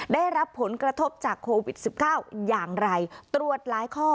ได้รับผลกระทบจากโควิด๑๙อย่างไรตรวจหลายข้อ